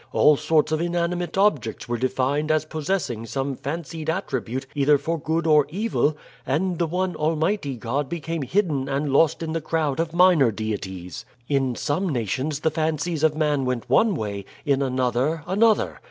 All sorts of inanimate objects were defined as possessing some fancied attribute either for good or evil, and the one Almighty God became hidden and lost in the crowd of minor deities. In some nations the fancies of man went one way, in another another.